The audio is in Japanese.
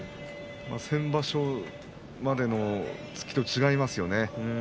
先場所までの突きと違いますよね。